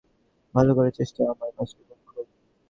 আগের ছবি থেকে পরের ছবিতে ভালো করার চেষ্টাই আমার কাছে মুখ্য।